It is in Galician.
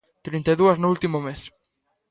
Trinta e dúas no último mes.